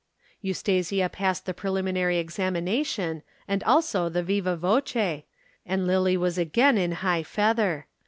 Eustasia passed the preliminary examination and also the viva voce, and Lillie was again in high feather.